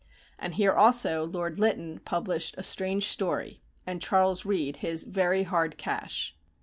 And here also Lord Lytton published "A Strange Story," and Charles Reade his "Very Hard Cash."